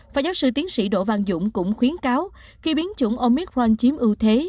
phó giáo sư tiến sĩ đỗ văn dũng cũng khuyến cáo khi biến chủng omicron chiếm ưu thế